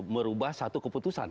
merubah satu keputusan